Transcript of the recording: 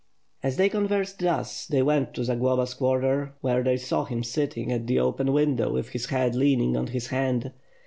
As they conversed thus, they went to Zagloba's quarters, where they saw him sitting at the open window with his head leaning on his hand.